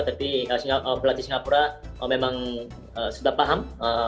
tapi pelatih singapura memang sudah paham